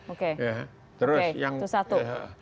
oke itu satu